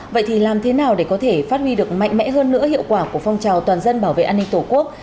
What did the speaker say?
vậy thì làm thế nào để có thể phát huy được mạnh mẽ hơn nữa hiệu quả của phong trào toàn dân bảo vệ an ninh tổ quốc